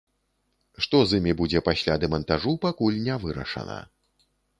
Што з імі будзе пасля дэмантажу, пакуль не вырашана.